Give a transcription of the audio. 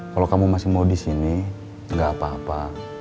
kalau kamu masih mau di sini enggak apa apa